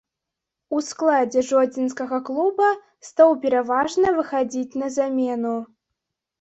У складзе жодзінскага клуба стаў пераважна выхадзіць на замену.